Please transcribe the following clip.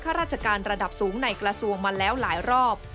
ข้าราชการระดับสูงในกระทรวงมาแล้วหลายรอบ